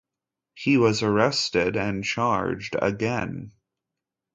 He was arrested and charged again.